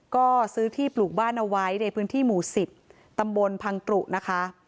ก็ซื้อที่ปลูกบ้านเอาไว้ในพื้นที่หมู่๑๐ตำบลพังตรุนะคะ